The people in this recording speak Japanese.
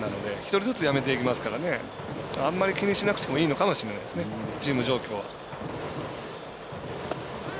１人ずつやめていきますからあんまり気にしなくてもいいかもしれないですねチーム状況は。